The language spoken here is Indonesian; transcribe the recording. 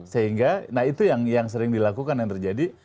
sehingga nah itu yang sering dilakukan yang terjadi